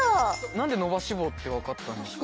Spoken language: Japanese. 何で伸ばし棒って分かったんですか？